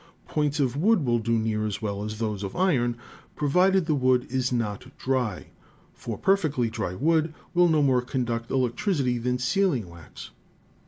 Points of wood will do near as well as those of iron, provided the wood is not dry; for perfectly dry wood will no more conduct electricity than sealing wax.